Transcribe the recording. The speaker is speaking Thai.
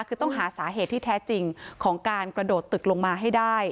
คือต้องหาสาเหตุที่แท้จริงของการกระโดดตึกลงมาให้ได้